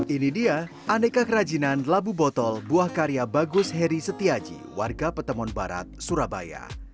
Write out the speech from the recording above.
ini dia aneka kerajinan labu botol buah karya bagus heri setiaji warga petemon barat surabaya